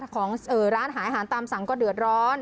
ของร้านหายอาหารตามสั่งก็เดือดร้อน